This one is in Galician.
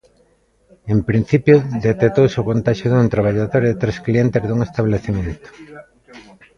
En principio detectouse o contaxio dun traballador e tres clientes dun establecemento.